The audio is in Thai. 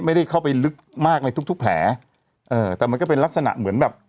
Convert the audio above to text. ไม่ได้เข้าไปลึกมากในทุกทุกแผลเออแต่มันก็เป็นลักษณะเหมือนแบบ